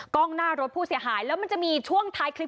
กล้องหน้ารถผู้เสียหายแล้วมันจะมีช่วงท้ายคลิป